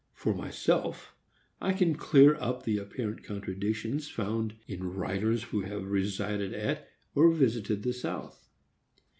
For myself, I can clear up the apparent contradictions found in writers who have resided at or visited the South.